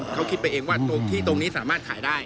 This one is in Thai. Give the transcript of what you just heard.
เขาคิดไปเองว่าที่ตรงนี้สามารถขายได้